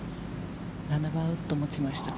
７番ウッドを持ちました。